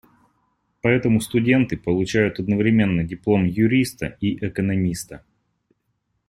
Поэтому студенты получают одновременно диплом юриста и экономиста.